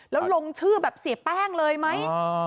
แล้วลงชื่อแบบเสียแป้งเลยไหม